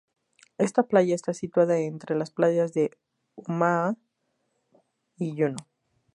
Esta playa está situada entre las playas de Omaha y Juno.